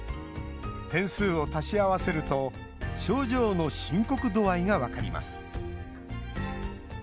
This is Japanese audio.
点数を足し合わせると症状の深刻度合いが分かります。